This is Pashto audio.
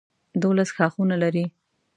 دولس ښاخونه لري.